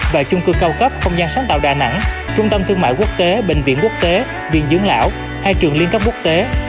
và chung cư cao cấp không gian sáng tạo đà nẵng trung tâm thương mại quốc tế bệnh viện quốc tế viện dưỡng lão hay trường liên cấp quốc tế